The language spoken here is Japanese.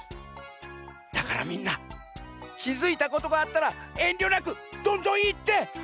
だからみんなきづいたことがあったらえんりょなくどんどんいって！